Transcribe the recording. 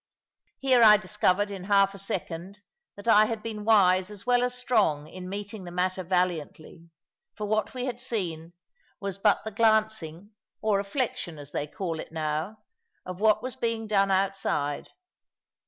Here I discovered in half a second that I had been wise as well as strong in meeting the matter valiantly; for what we had seen was but the glancing or reflection, as they call it now of what was being done outside.